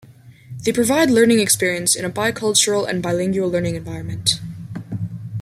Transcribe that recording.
They provide learning experiences in a bi-cultural and bilingual learning environment.